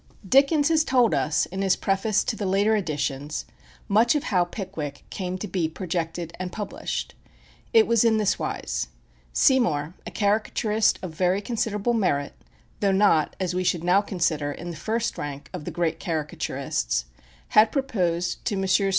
Dickens has told us, in his preface to the later editions, much of how "Pickwick" came to be projected and published. It was in this wise: Seymour, a caricaturist of very considerable merit, though not, as we should now consider, in the first rank of the great caricaturists, had proposed to Messrs.